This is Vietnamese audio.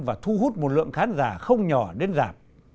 và thu hút một lượng khán giả không nhỏ đến giảm